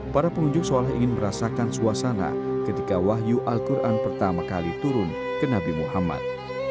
para pengunjung seolah ingin merasakan suasana ketika wahyu al quran pertama kali turun ke nabi muhammad